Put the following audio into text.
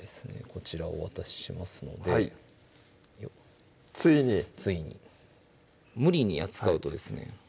こちらをお渡ししますのでついについに無理に扱うとですね